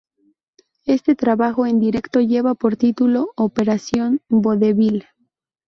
Este trabajo en directo lleva por título "Operación Vodevil.